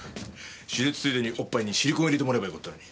手術ついでにおっぱいにシリコン入れてもらえば良かったのに。